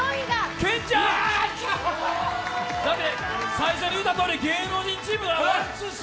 最初に言うたとおり、芸能人チームが１・２・３。